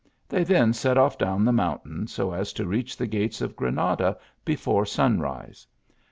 They then set off down the mountain, so as to reach the gates of Granada before sunrise.